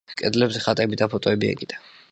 კედლებზე ხატები და ფოტოები ეკიდა.